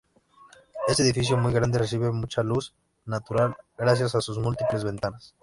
Este edificio, muy grande, recibe mucha luz natural gracias a sus múltiples ventanas.